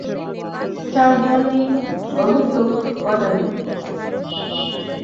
চারজনই অভিযোগ করেন, আনারস প্রতীকের লোকজন জোর করে ব্যালট কেড়ে নিতে চান।